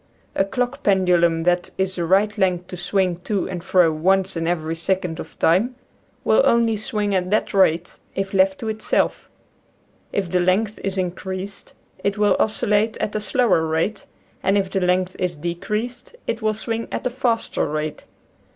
A clock pendulum that is the right length to swing to and fro once in every second of time will only swing at that rate, if left to itself. If the length is increased it will oscillate at a slower rate, and if the length is decreased it will swing at a faster rate.